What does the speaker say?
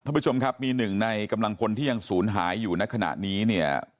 ท่านผู้ชมครับมีหนึ่งในกำลังพลที่ยังศูนย์หายอยู่ในขณะนี้เนี่ย